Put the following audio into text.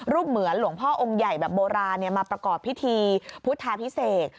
เหมือนหลวงพ่อองค์ใหญ่แบบโบราณมาประกอบพิธีพุทธาพิเศษ